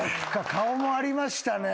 顔もありましたね。